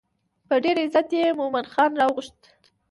په ډېر عزت یې مومن خان راوغوښت.